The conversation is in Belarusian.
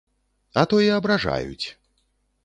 А то і абражаюць.